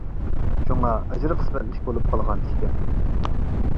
شۇڭا ئەجىر قىسمەتلىك بولۇپ قالغان ئىكەن.